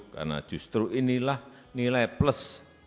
karena justru inilah nilai plus